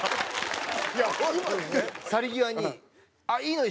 去り際に「いいのよ